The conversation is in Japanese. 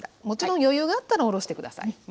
もちろん余裕があったらおろして下さい。